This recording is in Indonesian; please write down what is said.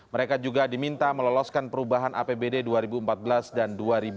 mereka juga diminta meloloskan perubahan apbd dua ribu empat belas dan dua ribu sembilan belas